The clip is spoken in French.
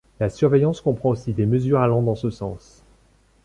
La surveillance comprend aussi des mesures allant dans ce sens.